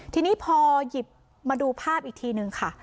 ทีนี้พอหยิบมาดูภาพอีกทีนึงค่ะ